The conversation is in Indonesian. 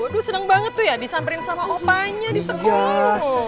waduh senang banget tuh ya disamperin sama opanya di sekolah